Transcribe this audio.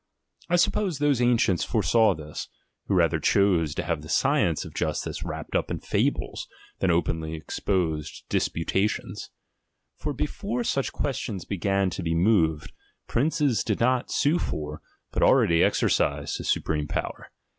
I suppose those ancients foresaw this, who rather chose to have the science of justice wrapped up in fables, than openly ex posed to disputations. For before such questions began to be moved, princes did not sue for, but already exercised the supreme power.